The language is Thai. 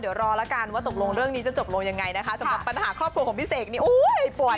เดี๋ยวรอแล้วกันว่าตกลงเรื่องนี้จะจบลงยังไงนะคะสำหรับปัญหาครอบครัวของพี่เสกนี่อุ้ยป่วย